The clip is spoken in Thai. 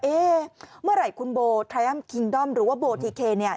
เมื่อไหร่คุณโบไทอัมคิงด้อมหรือว่าโบทีเคเนี่ย